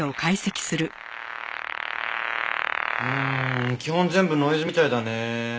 うーん基本全部ノイズみたいだね。